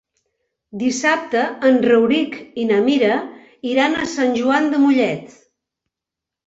Dissabte en Rauric i na Mira iran a Sant Joan de Mollet.